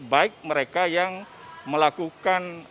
baik mereka yang melakukan